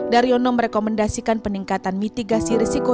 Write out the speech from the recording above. daryono merekomendasikan peningkatan mitigasi risiko